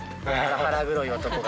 腹黒い男が。